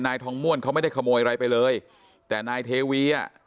ทองม่วนเขาไม่ได้ขโมยอะไรไปเลยแต่นายเทวีอ่ะ